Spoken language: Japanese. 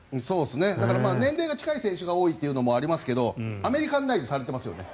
だから、年齢が近い選手が多いというのもありますけどアメリカンナイズされてますよね。